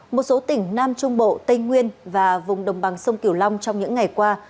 một số tỉnh nam trung bộ tây nguyên và vùng đồng bằng sông kiểu long trong những ngày qua